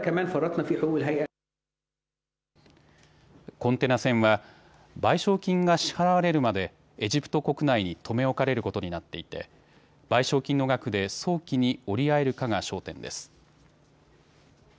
コンテナ船は賠償金が支払われるまでエジプト国内に留め置かれることになっていて賠償金の額で早期に折り合えるかが焦点です。